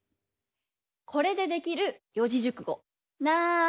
これでできる四字熟語なんだ？